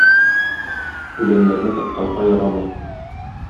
Үләннәрне таптарга ярамый.